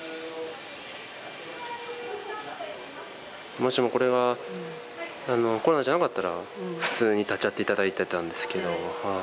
もしもこれがコロナじゃなかったら普通に立ち会って頂いてたんですけど。